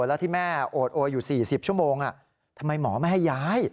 แล้วที่แม่โอดโอยอยู่๔๐ชั่วโมงทำไมหมอไม่ให้ย้าย